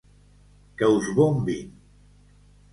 Que us bombin!